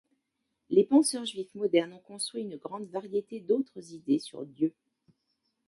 Les penseurs juifs modernes ont construit une grande variété d'autres idées sur Dieu.